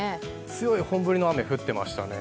強い本降りの雨、降っていましたね。